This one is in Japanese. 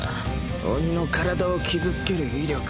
鬼の体を傷つける威力